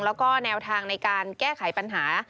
แล้วก็แนวทางในการแก้ไขปัญหา